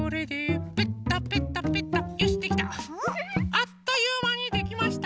あっというまにできました。